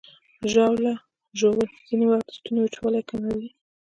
ژاوله ژوول ځینې وخت د ستوني وچوالی کموي.